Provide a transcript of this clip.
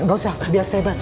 gak usah biar saya barisin